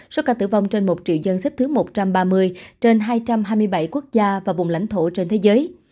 số ca tử vong trên một triệu dân xếp thứ một trăm ba mươi trên hai trăm hai mươi bảy quốc gia và vùng lãnh thổ trên thế giới